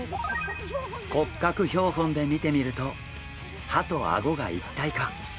骨格標本で見てみると歯とあごが一体化！